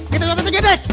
kita coba dik dek